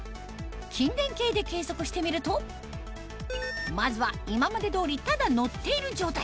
筋電計で計測してみるとまずは今まで通りただ乗っている状態